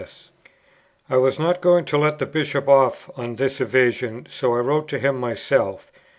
S." I was not going to let the Bishop off on this evasion, so I wrote to him myself.